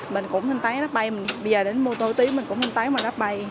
mình cũng thanh toán grabpay bây giờ đến mô tô tiếu mình cũng thanh toán grabpay